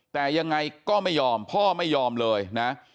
แต่ยังไงก็ไม่ยอมพ่อไม่ยอมเลยนะ